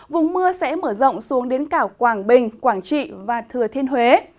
vùng mưa sẽ mở rộng xuống đến cả quảng bình quảng trị và thừa thiên huế